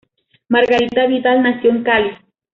Margarita Vidal nació en Cali.